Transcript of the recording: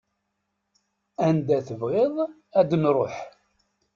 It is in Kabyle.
Anda tebɣiḍ ad nruḥ.